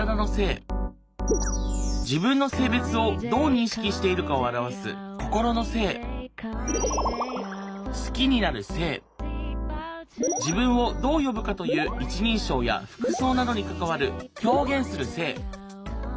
自分の性別をどう認識しているかを表す心の性好きになる性自分をどう呼ぶかという一人称や服装などに関わる表現する性。